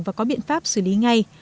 và có biện pháp xử lý ngay